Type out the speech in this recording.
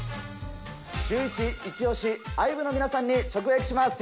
シューイチイチオシ、ＩＶＥの皆さんに直撃します。